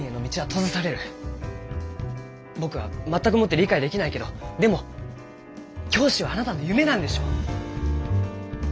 僕は全くもって理解できないけどでも教師はあなたの夢なんでしょ。